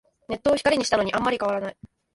ネットを光にしたのにあんまり変わらない